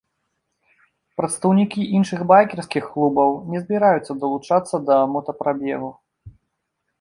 Прадстаўнікі іншых байкерскіх клубаў не збіраюцца далучацца да мотапрабегу.